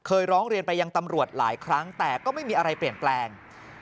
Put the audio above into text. ร้องเรียนไปยังตำรวจหลายครั้งแต่ก็ไม่มีอะไรเปลี่ยนแปลง